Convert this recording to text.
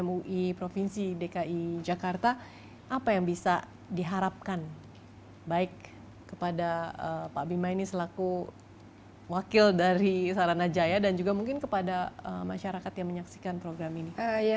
mui provinsi dki jakarta apa yang bisa diharapkan baik kepada pak bima ini selaku wakil dari saranajaya dan juga mungkin kepada masyarakat yang menyaksikan program ini